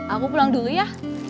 aku pulang dulu ya